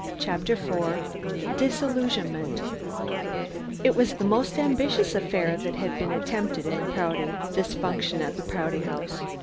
CHAPTER IV DISILLUSIONMENT It was the most ambitious affair that had been attempted in Prouty this function at the Prouty House.